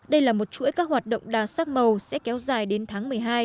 đây là một chuỗi các hoạt động đa sắc màu sẽ kéo dài đến tháng một mươi hai